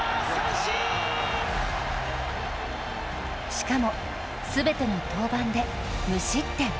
しかも、全ての登板で無失点。